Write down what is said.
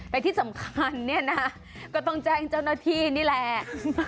แต่ที่สำคัญเนี่ยนะก็ต้องแจ้งเจ้าหน้าที่นี่แหละ